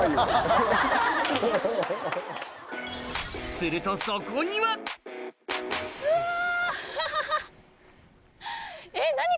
するとそこにはうわ！ハハハ！